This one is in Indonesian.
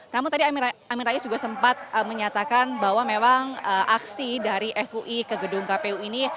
namun tadi amin rais juga sempat menyatakan bahwa memang aksi dari fui ke gedung kpu ini